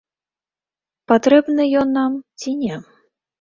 Патрэбны ён нам ці не?